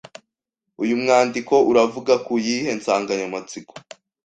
Uyu mwandiko uravuga ku yihe nsanganyamatsiko